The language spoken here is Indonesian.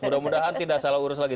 mudah mudahan tidak salah urus lagi